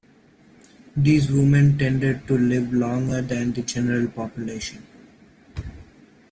These women tended to live longer than the general population.